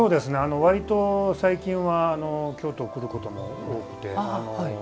割と最近は京都来ることも多くて。